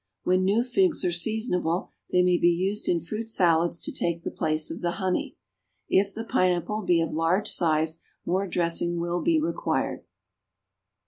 When new figs are seasonable, they may be used in fruit salads to take the place of the honey. If the pineapple be of large size, more dressing will be required.